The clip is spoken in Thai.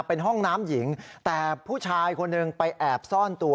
เป็นห้องน้ำหญิงแต่ผู้ชายคนหนึ่งไปแอบซ่อนตัว